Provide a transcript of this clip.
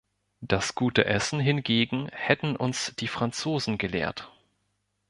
Das gute Essen hingegen hätten "uns" die Franzosen gelehrt.